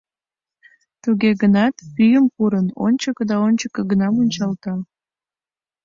Туге гынат, пӱйым пурын, ончыко да ончыко гына мунчалта.